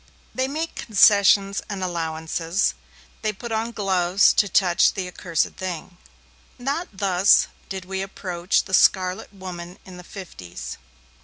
They make concessions and allowances, they put on gloves to touch the accursed thing. Not thus did we approach the Scarlet Woman in the 'fifties.